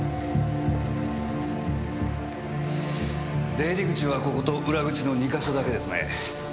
出入り口はここと裏口の２か所だけですね。